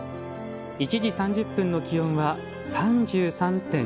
１時３０分の気温は３３．２度。